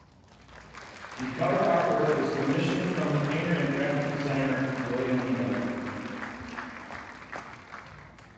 The cover artwork was commissioned from the painter and graphic designer William Neal.